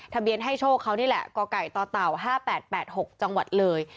ทะเบียนให้โชคเขานี่แหละกต๕๘๘๖จังหวัดเลย